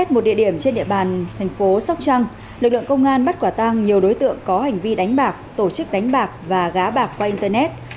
một địa điểm trên địa bàn thành phố sóc trăng lực lượng công an bắt quả tang nhiều đối tượng có hành vi đánh bạc tổ chức đánh bạc và gá bạc qua internet